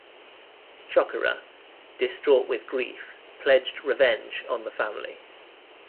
Chocorua, distraught with grief, pledged revenge on the family.